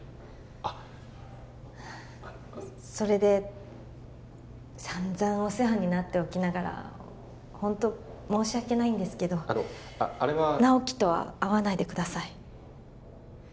あっそれでさんざんお世話になっておきながらホント申し訳ないんですけどあのあれは直木とは会わないでください